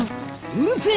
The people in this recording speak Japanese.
うるせぇ！